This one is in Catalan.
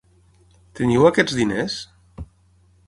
Teniu aquests diners?